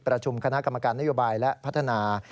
ประชุมคณะกรรมการนโยบายและพัฒนา